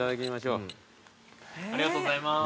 ありがとうございます。